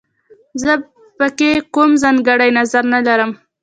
زه په کې کوم ځانګړی نظر نه لرم